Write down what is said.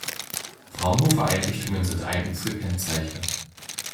Fraunhofer-Einrichtungen sind eigens gekennzeichnet.